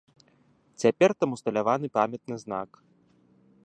Цяпер там усталяваны памятны знак.